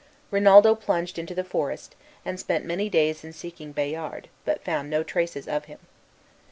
Rinaldo plunged into the forest, and spent many days in seeking Bayard, but found no traces of him.